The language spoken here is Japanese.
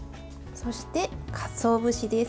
そして、かつお節です。